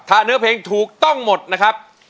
ถ้าเนื้อเพลงถูกต้องหมดนะครับ